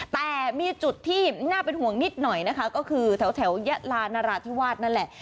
แต่มีจุดที่น่าเป็นห่วงนิดหน่อยนะคะก็คือแถวยะลานราธิวาสนั่นแหละ